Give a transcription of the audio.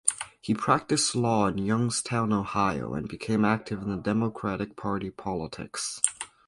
He practiced law in Youngstown, Ohio, and became active in Democratic Party politics.